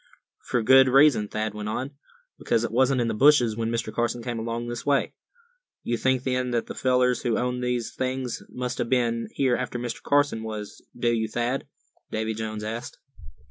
"For a good reason," Thad went on; "because it wasn't in the bushes when Mr. Carson came along this way." "You think, then, that the fellers who owned these things must have been here after Mr. Carson was, do you, Thad?" Davy Jones asked.